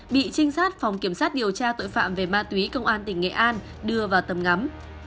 bị trinh sát phòng kiểm sát điều tra tội phạm về ma túy công an tỉnh nghệ an đưa vào tầm ngắm